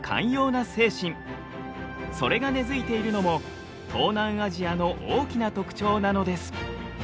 それが根づいているのも東南アジアの大きな特徴なのです。